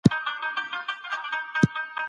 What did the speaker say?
ليکوال بايد د ټولني د غوښتنو په اړه ليکنې وکړي.